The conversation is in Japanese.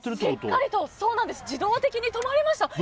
しっかりと自動的に止まりました。